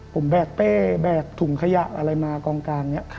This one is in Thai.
ผมแบกเป้แบกถุงขยะอะไรมากองกลางเนี่ย